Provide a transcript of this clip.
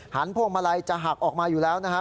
หันโพงมาลัยจะหักออกมาอยู่แล้วนะฮะ